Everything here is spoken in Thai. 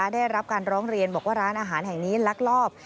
ได้รับการร้องเรียนบอกว่าร้านอาหารแห่งนี้ลักลอบ